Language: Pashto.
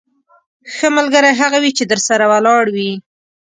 ښه ملګری هغه وي چې درسره ولاړ وي.